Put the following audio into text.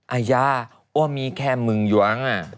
อาเยจ้าโอ้วมีแค่นึงอย่าง่ะ